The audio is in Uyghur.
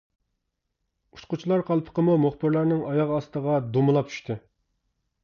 ئۇچقۇچىلار قالپىقىمۇ مۇخبىرلارنىڭ ئاياغ ئاستىغا دومىلاپ چۈشتى.